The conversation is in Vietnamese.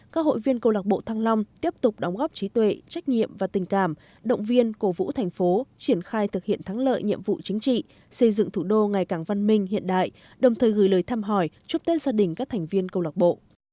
các hội viên câu lạc bộ thăng long tiếp tục đóng góp trí tuệ trách nhiệm và tình cảm động viên cổ vũ thành phố triển khai thực hiện thắng lợi nhiệm vụ chính trị xây dựng thủ đô ngày càng văn minh hiện đại đồng thời gửi lời thăm hỏi chúc tết gia đình các thành viên câu lạc bộ